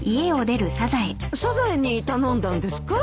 サザエに頼んだんですか？